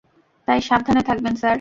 তাই সাবধানে থাকবেন, স্যার।